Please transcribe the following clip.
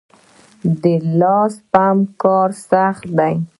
د لاس پمپ کارول سخت دي؟